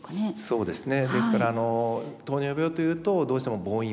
そうですね。